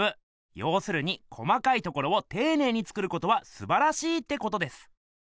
ようするに細かいところをていねいに作ることはすばらしいってことです。